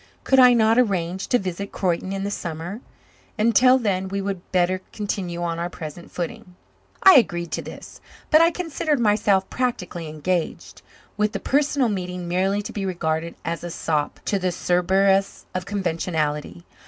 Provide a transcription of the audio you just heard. Could I not arrange to visit Croyden in the summer? Until then we would better continue on our present footing. I agreed to this, but I considered myself practically engaged, with the personal meeting merely to be regarded as a sop to the Cerberus of conventionality.